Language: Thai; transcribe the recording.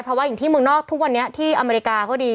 เพราะว่าอย่างที่เมืองนอกทุกวันนี้ที่อเมริกาก็ดี